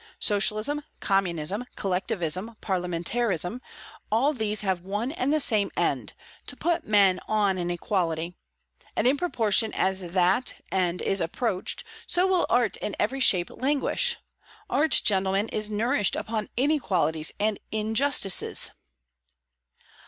Socialism, communism, collectivism, parliamentarism, all these have one and the same end: to put men on an equality; and in proportion as that end is approached, so will art in every shape languish. Art, gentlemen, is nourished upon inequalities and injustices!"